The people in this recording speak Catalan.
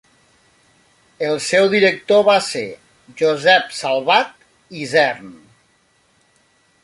El seu director va ser Josep Salvat Isern.